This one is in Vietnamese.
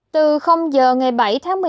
từ giờ ngày bảy tháng một mươi một